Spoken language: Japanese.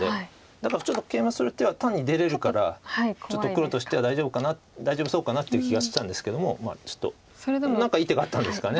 だからちょっとケイマする手は単に出れるからちょっと黒としては大丈夫かな大丈夫そうかなっていう気がしてたんですけどもまあちょっと何かいい手があったんですかね。